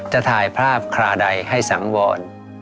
จะถ่ายภาพคราใดให้สังวร